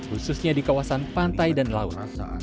khususnya di kawasan pantai dan laut